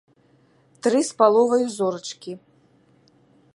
Тры з паловаю зорачкі.